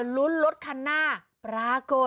ลุ้นรถคันหน้า